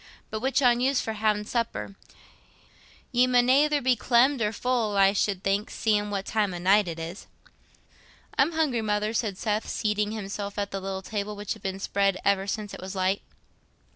But which on you's for ha'in' supper? Ye mun ayther be clemmed or full, I should think, seein' what time o' night it is." "I'm hungry, Mother," said Seth, seating himself at the little table, which had been spread ever since it was light.